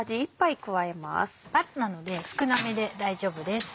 バラなので少なめで大丈夫です。